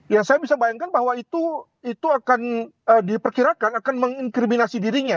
ya saya bisa bayangkan bahwa itu akan diperkirakan akan menginkriminasi dirinya